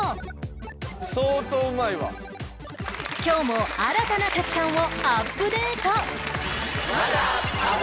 今日も新たな価値観をアップデート